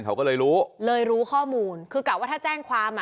เขาก็เลยรู้เลยรู้ข้อมูลคือกะว่าถ้าแจ้งความอ่ะ